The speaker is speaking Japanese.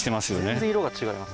全然色が違います